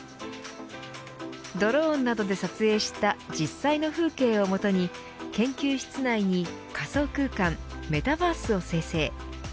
ドローンなどで撮影した実際の風景をもとに研究室内に仮想空間＝メタバースを生成。